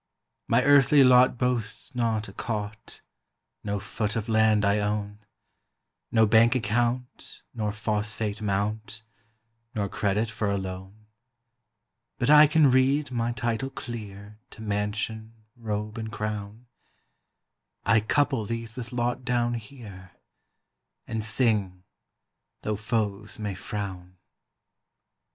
My earthly lot boasts not a cot, No foot of land I own, No bank account nor phosphate mount, Nor credit for a loan; But I can read my title clear To mansion, robe, and crown; I couple these with lot down here, And sing, tho' foes may frown.